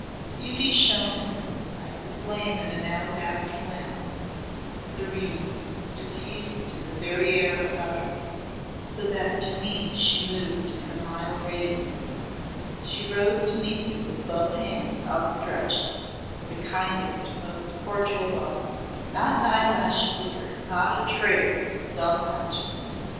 Beauty shone in her like the flame in an alabaster lamp, serene, diffused in the very air about her, so that to me she moved in a mild radiance. She rose to meet me with both hands outstretched the kindest, most cordial welcome. Not an eyelash flickered, not a trace of self consciousness.